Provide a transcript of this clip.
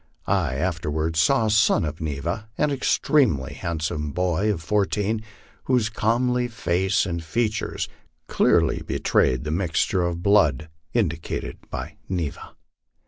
I afterwards saw a son of Neva, an extremely handsome boy of fourteen, whose comely face and features clearly betrayed the mixture of blood indicated by Neva.